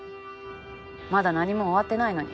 まだ何も終わってないのに。